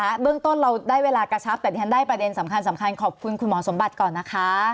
เบื้องต้นเราได้เวลากระชับแต่ดิฉันได้ประเด็นสำคัญขอบคุณคุณหมอสมบัติก่อนนะคะ